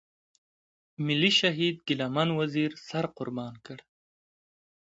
ملي شهيد ګيله من وزير سر قربان کړ.